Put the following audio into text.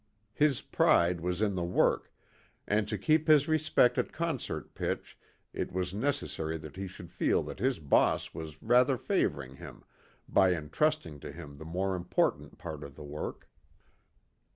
His pride was in the work, and to keep his respect at concert pitch it was necessary that he should feel that his "boss" was rather favoring him by entrusting to him the more important part of the work.